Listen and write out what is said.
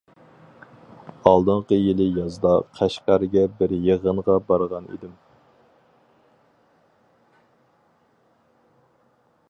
ئالدىنقى يىلى يازدا قەشقەرگە بىر يىغىنغا بارغان ئىدىم.